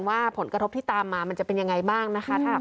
ว่าผลกระทบที่ตามมามันจะเป็นยังไงบ้างนะคะ